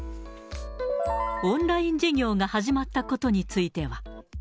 オンライン授業が始まったことについては。